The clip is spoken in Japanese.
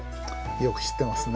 よく知ってますね。